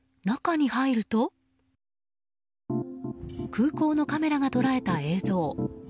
空港のカメラが捉えた映像。